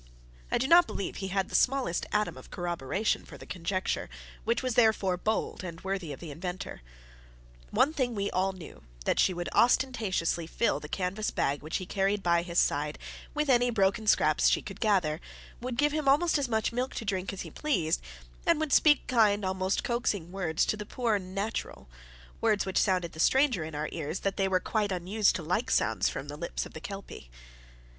I do not believe he had the smallest atom of corroboration for the conjecture, which therefore was bold and worthy of the inventor. One thing we all knew, that she would ostentatiously fill the canvas bag which he carried by his side, with any broken scraps she could gather, would give him as much milk to drink as he pleased, and would speak kind, almost coaxing, words to the poor natural words which sounded the stranger in our ears, that they were quite unused to like sounds from the lips of the Kelpie.